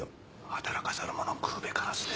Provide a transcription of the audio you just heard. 働かざる者食うべからずです。